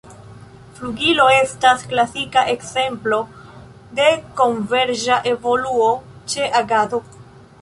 Flugilo estas klasika ekzemplo de konverĝa evoluo ĉe agado.